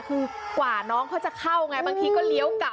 คือกว่าน้องเขาจะเข้าไงบางทีก็เลี้ยวเก่า